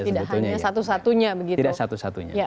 tidak hanya satu satunya